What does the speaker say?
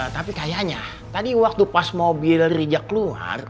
tapi kayaknya tadi waktu pas mobil rija keluar